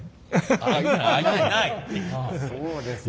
そうですか。